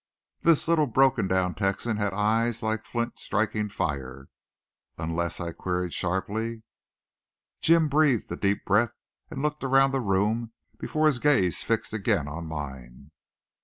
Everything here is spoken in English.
This little, broken down Texan had eyes like flint striking fire. "Unless?" I queried sharply. Jim breathed a deep breath and looked around the room before his gaze fixed again on mine.